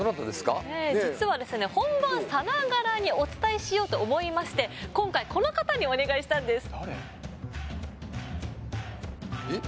実は本番さながらにお伝えしようと思いまして今回、この方にお願いしたんです。